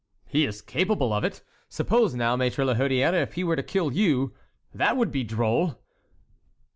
"He is capable of it. Suppose, now, Maître la Hurière, he were to kill you; that would be droll!"